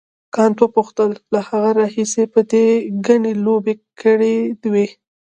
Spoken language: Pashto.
کانت وپوښتل له هغه راهیسې به دې ګڼې لوبې کړې وي.